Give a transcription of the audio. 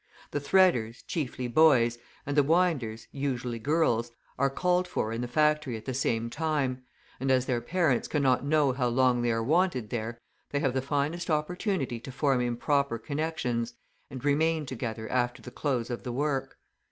The threaders, chiefly boys, and the winders, usually girls, are called for in the factory at the same time; and as their parents cannot know how long they are wanted there, they have the finest opportunity to form improper connections and remain together after the close of the work.